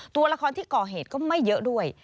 ตัวละครที่ก่อเหตุก็ไม่เยอะด้วย